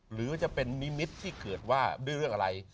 หรือจะเป็นนิมิตรที่เกิดว่าด้วยเรื่องอะไร